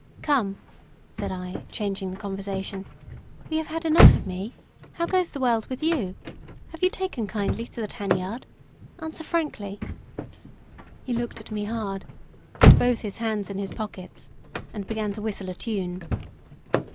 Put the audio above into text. "Come," said I, changing the conversation, "we have had enough of me; how goes the world with you? Have you taken kindly to the tan yard? Answer frankly." He looked at me hard, put both his hands in his pockets, and began to whistle a tune.